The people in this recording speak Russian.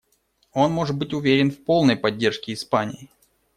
Он может быть уверен в полной поддержке Испании.